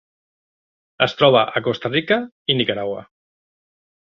Es troba a Costa Rica i Nicaragua.